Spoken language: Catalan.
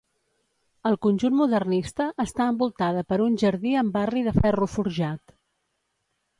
Al conjunt modernista està envoltada per un jardí amb barri de ferro forjat.